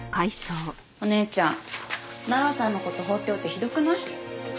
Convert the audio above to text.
お姉ちゃん直哉さんの事放っておいてひどくない？